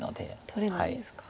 取れないですか。